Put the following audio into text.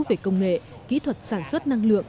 về công nghệ kỹ thuật sản xuất năng lượng